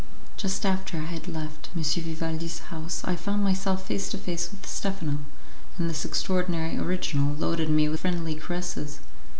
Just after I had left M. Vivaldi's house I found myself face to face with Stephano, and this extraordinary original loaded me with friendly caresses.